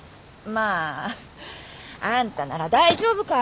まああんたなら大丈夫か。